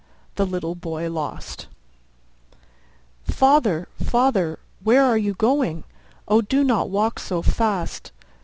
THE LITTLE BOY LOST 'Father, father, where are you going? O do not walk so fast!